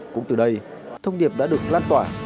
cũng từ đây thông điệp đã được lan tỏa